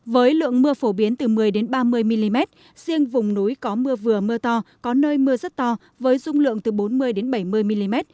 với lượng mưa phổ biến từ một mươi ba mươi mm riêng vùng núi có mưa vừa mưa to có nơi mưa rất to với dung lượng từ bốn mươi bảy mươi mm